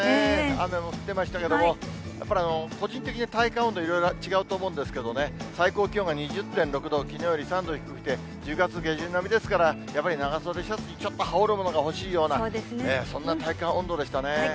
雨も降ってましたけれども、やっぱり個人的に体感温度、いろいろ違うと思うんですけどね、最高気温が２０．６度、きのうより３度低くて、１０月下旬並みですから、やっぱり、長袖シャツにちょっと羽織るものが欲しいような、そんな体感温度でしたね。